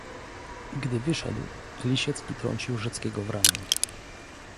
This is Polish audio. "Gdy wyszedł, Lisiecki trącił Rzeckiego w ramię."